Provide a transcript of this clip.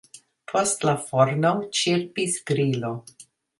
Post la forno ĉirpis grilo.